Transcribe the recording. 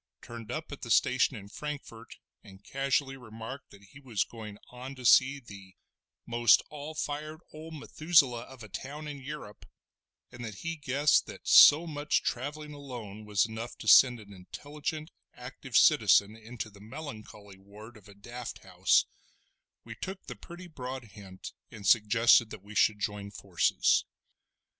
turned up at the station at Frankfort, and casually remarked that he was going on to see the most all fired old Methuselah of a town in Yurrup, and that he guessed that so much travelling alone was enough to send an intelligent, active citizen into the melancholy ward of a daft house, we took the pretty broad hint and suggested that we should join forces.